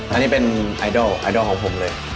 อันนี้เป็นไอดอลไอดอลของผมเลย